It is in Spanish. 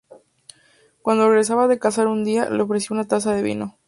Cuando regresaba de cazar un día, le ofreció una taza de vino.